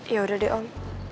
ya udah deh om